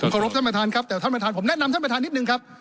ขอรบท่านประธานครับแต่ท่านประธานผมแนะนำท่านประธานนิดนึงครับ